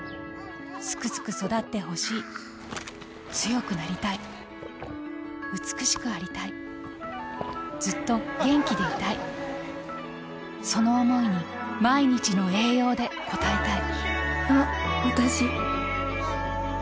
スクスク育ってほしい強くなりたい美しくありたいずっと元気でいたいその想いに毎日の栄養で応えたいあっわたし。